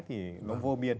thì nó vô biên